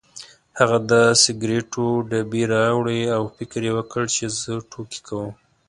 هغه د سګرټو ډبې راوړې او فکر یې وکړ چې زه ټوکې کوم.